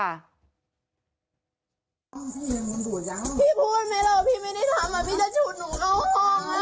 ครับพี่พูดไหมละพี่ไม่ได้ทำอ่ะพี่จะจุดแล้วน้องพูดยังไงอ่ะค่ะ